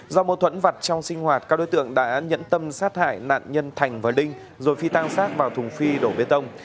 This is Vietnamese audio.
do mâu thuẫn vặt trong sinh hoạt các đối tượng đã nhẫn tâm sát hại nạn nhân thành và linh rồi phi tang sát vào thùng phi đổ bê tông